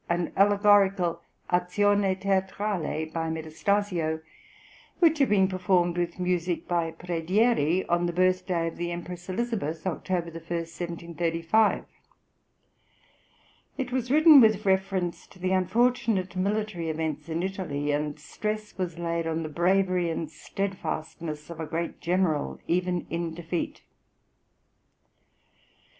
an allegorical azione teatrale, by Metastasio, which had been performed with music by Predieri on the birthday of the Empress Elizabeth, October 1, 1735. It was written with reference to the unfortunate military events in Italy, and stress was laid on the bravery and steadfastness of a great general, even in defeat.